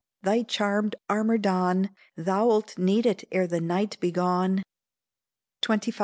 thy charmed armour don, Thou'lt need it ere the night be gone. XXV.